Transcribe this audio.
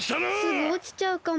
すぐおちちゃうかも。